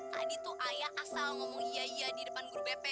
tadi tuh ayah asal ngomong iya iya di depan grup bp